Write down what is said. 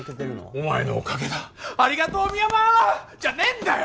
お前のおかげだありがとう深山！じゃねえんだよ